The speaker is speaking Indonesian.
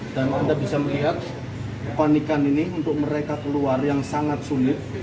dan anda bisa melihat kepanikan ini untuk mereka keluar yang sangat sulit